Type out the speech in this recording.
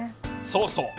そうそう。